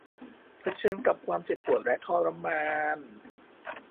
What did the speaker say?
เผชิญกับความเจ็บปวดและทรมาน